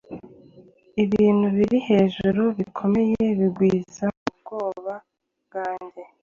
Ibintu biri hejuru, bikomeye, bigwiza ubwoba bwanjye